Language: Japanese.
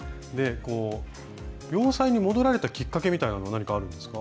洋裁に戻られたきっかけみたいのは何かあるんですか？